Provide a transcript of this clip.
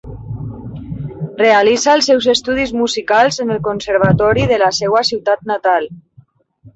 Realitza els seus estudis musicals en el Conservatori de la seva ciutat natal.